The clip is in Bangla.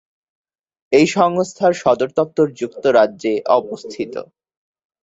এই সংস্থার সদর দপ্তর যুক্তরাজ্যে অবস্থিত।